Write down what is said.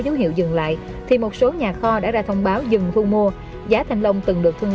dấu hiệu dừng lại thì một số nhà kho đã ra thông báo dừng thu mua giá thanh long từng được thương